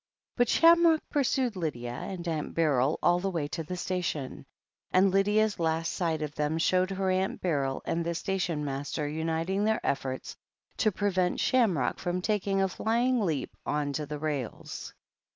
But Shamrock pursued Lydia and Aunt Beryl all the way to the station, and Lydia's last sight of them showed her Aunt Beryl and the station master imiting • their efforts to prevent Shamrock from taking a flyingf leap on to the rails.